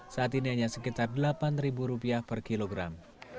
saat ini hanya sekitar rp delapan per kilogram